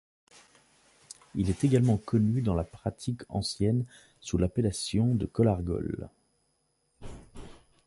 Il est également connu dans la pratique ancienne sous l'appellation de collargol.